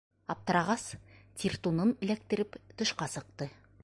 Аптырағас, тиртунын эләктереп тышҡа сыҡты.